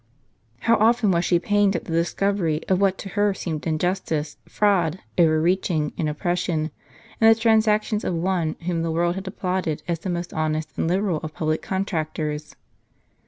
How often was she pained at the discovery of what to her seemed injustice, fraud, over reaching and oppression, in the transactions of one whom the world had applauded as the most honest and liberal of public contractors